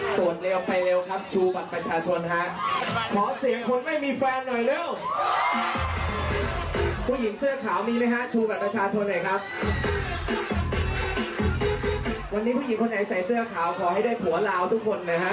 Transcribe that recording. ขอให้ได้ผัวลาวทุกคนนะครับ